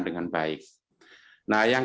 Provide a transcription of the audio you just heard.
dengan baik nah yang